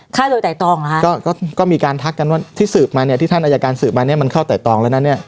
ฆ่าโดยไตตองเหรอคะก็ก็มีการทักกันว่าที่สืบมาเนี่ยที่ท่านอายการสืบมาเนี้ยมันเข้าไต่ตองแล้วนะเนี่ย